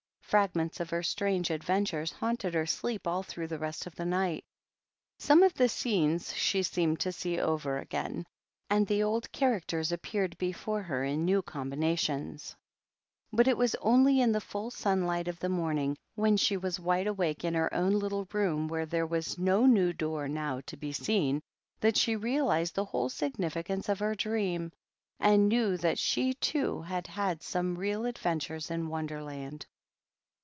Fragments of her strange adventures haunted her sleep all through the rest of the night ; some of the scenes she seemed to see over again, and the old characters appeared before her in new combinations. But it was only :1 THE PAGEANT. 309 in the full sunlight of the morning, when she was wide awake in her own little room where there was no new door now to be seen, that she realized the whole significance of her dream, and knew that she too had had some real adventures in Wonderland.